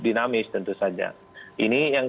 dinamis tentu saja ini yang